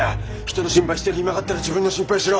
人の心配してる暇があったら自分の心配しろ！